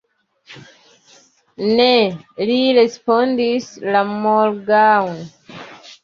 Ne, li respondis la morgaŭan.